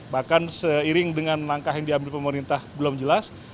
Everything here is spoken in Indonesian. bahkan seiring dengan langkah yang diambil pemerintah belum jelas